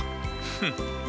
フッ。